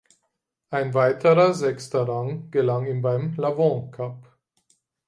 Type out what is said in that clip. Ein weiterer sechster Rang gelang ihm beim Lavant Cup.